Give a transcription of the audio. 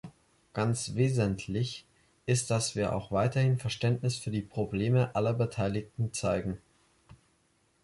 Ganz wesentlich ist, dass wir auch weiterhin Verständnis für die Probleme aller Beteiligten zeigen.